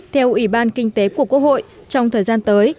theo ủy ban kinh tế của quốc hội trong thời gian tới